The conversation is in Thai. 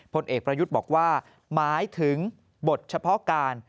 ผลเอกประยุทธ์บอกว่าหมายถึงบทเฉพาะการ